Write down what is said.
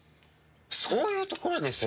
そういうところですよ。